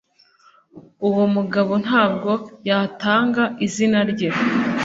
uwo mugabo ntabwo yatanga izina rye